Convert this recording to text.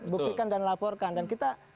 buktikan dan laporkan dan kita